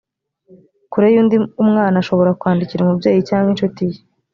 kure y undi umwana ashobora kwandikira umubyeyi cyangwa inshuti ye